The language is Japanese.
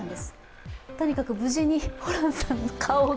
とにかく無事に、ホランさんの顔が。